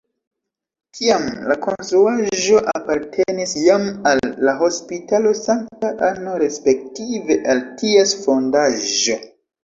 Tiam la konstruaĵo apartenis jam al la Hospitalo Sankta Anno respektive al ties fondaĵo.